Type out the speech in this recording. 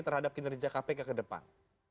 terhadap kinerja kpk ke depan